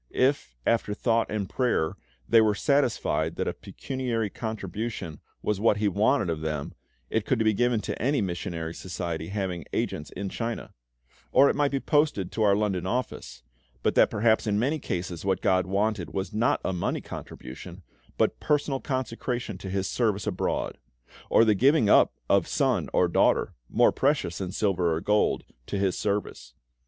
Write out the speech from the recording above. If, after thought and prayer, they were satisfied that a pecuniary contribution was what He wanted of them, it could be given to any Missionary Society having agents in China; or it might be posted to our London office; but that perhaps in many cases what GOD wanted was not a money contribution, but personal consecration to His service abroad; or the giving up of son or daughter more precious than silver or gold to His service.